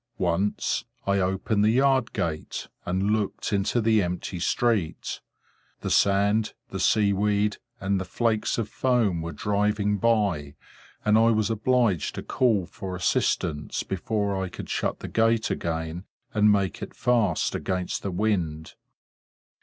Once, I opened the yard gate, and looked into the empty street. The sand, the sea weed, and the flakes of foam, were driving by, and I was obliged to call for assistance before I could shut the gate again, and make it fast against the wind.